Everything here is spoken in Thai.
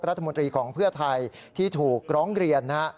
รัฐมนตรีของเพื่อไทยที่ถูกร้องเรียนนะฮะ